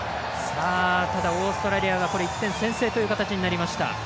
ただ、オーストラリアが１点先制という形になりました。